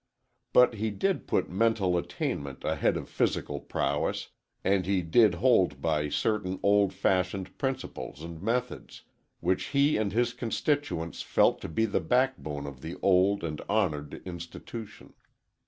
But he did put mental attainment ahead of physical prowess, and he did hold by certain old fashioned principles and methods, which he and his constituents felt to be the backbone of the old and honored institution.